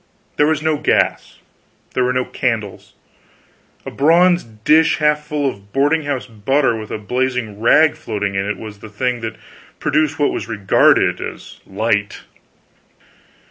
There was no gas, there were no candles; a bronze dish half full of boarding house butter with a blazing rag floating in it was the thing that produced what was regarded as light.